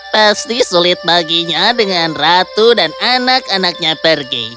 pasti sulit baginya dengan ratu dan anak anaknya pergi